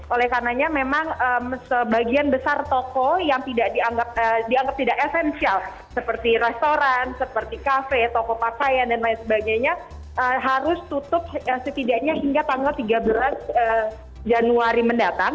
oleh karenanya memang sebagian besar toko yang dianggap tidak esensial seperti restoran seperti kafe toko pakaian dan lain sebagainya harus tutup setidaknya hingga tanggal tiga belas januari mendatang